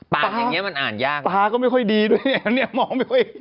อย่างนี้มันอ่านยากตาก็ไม่ค่อยดีด้วยเนี่ยมองไม่ค่อย